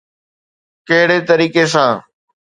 ڪهڙي طريقي سان؟